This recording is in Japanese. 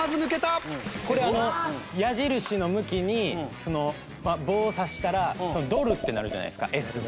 これ矢印の向きに棒を刺したらドルってなるじゃないですかＳ。